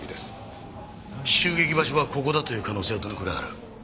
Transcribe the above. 襲撃場所はここだという可能性はどのくらいある？